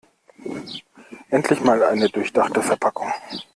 Endlich mal eine durchdachte Verpackung.